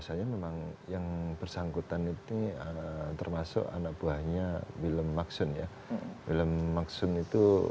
saya memang yang bersangkutan itu termasuk anak buahnya wilhelm maksun ya wilhelm maksun itu